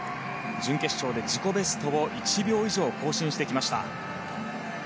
準決勝で自己ベストを１秒以上更新してきました。